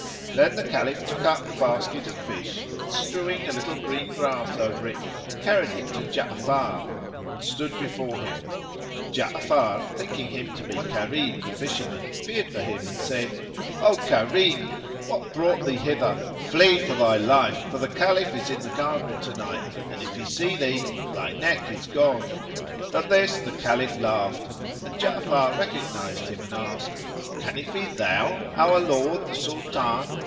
Then the Caliph took up the basket of fish and, strewing a little green grass over it, carried it to Ja'afar and stood before him. Ja'afar thinking him to be Karim the fisherman feared for him and said, "O Karim, what brought thee hither? Flee for thy life, for the Caliph is in the garden to night and, if he see thee, thy neck is gone." At this the Caliph laughed and Ja'afar recognized him and asked, "Can it be thou, our lord the Sultan?"